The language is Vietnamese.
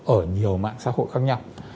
ở nhiều mạng xã hội khác nhau